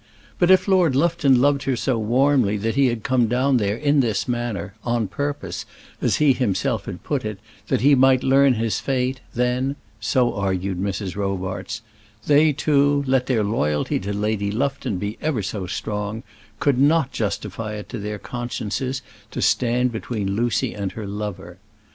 But if Lord Lufton loved her so warmly that he had come down there in this manner, on purpose, as he himself had put it, that he might learn his fate, then so argued Mrs. Robarts they two, let their loyalty to Lady Lufton be ever so strong, could not justify it to their consciences to stand between Lucy and her lover.